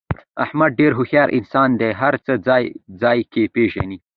احمد ډېر هوښیار انسان دی. دې هر څه ځای ځایګی پېژني.